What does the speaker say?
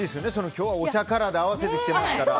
今日はお茶カラーで合わせてきてますから。